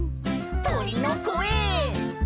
「とりのこえ」